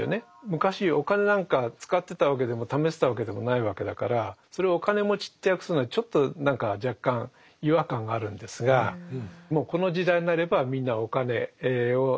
昔お金なんか使ってたわけでもためてたわけでもないわけだからそれをお金持ちって訳すのはちょっと何か若干違和感があるんですがもうこの時代になればみんなお金を使っていたしお金をためていた。